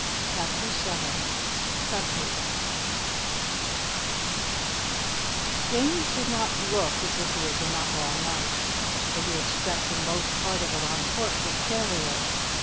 CHAPTER VII TREACHERY JAMES did not look as if he had been up all night, though he had spent the most part of it on foot with Ferrier.